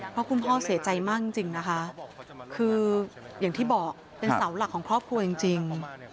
เพราะคุณพ่อเสียใจมากจริงนะคะคืออย่างที่บอกเป็นเสาหลักของครอบครัวจริง